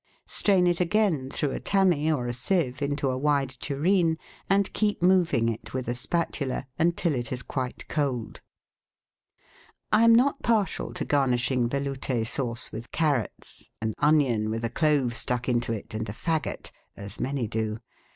Strain it again through a tammy or a sieve into a wide tureen, and keep moving it with a spatula until it is quite cold. I am not partial to garnishing Velout^ Sauce with carrots, an onion with a clove stuck into it, and a faggot, as many do.